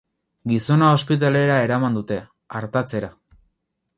Gizona ospitalera eraman dute, artatzera.